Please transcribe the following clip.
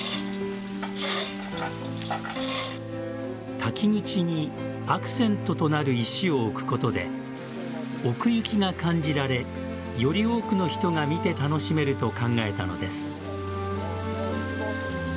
滝口にアクセントとなる石を置くことで奥行きが感じられより多くの人が見て楽しめると考えたのです。